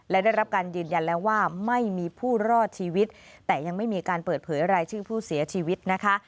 และได้รับการยืนยันแล้วว่าไม่มีผู้รอดชีวิตแต่ยังไม่มีการเปิดเผยรายชื่อผู้เสียชีวิตนะคะ